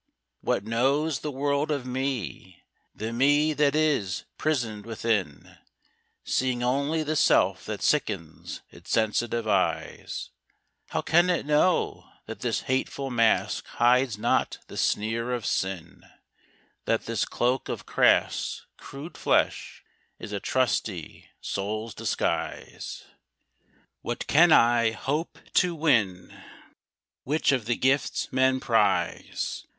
What knows the world of me the Me that is prisoned within Seeing only the self that sickens its sensitive eyes How can it know that this hateful mask hides not the sneer of Sin, That this cloak of crass, crude flesh, is a trusty soul's disguise? What can I hope to win? Which of the gifts men prize?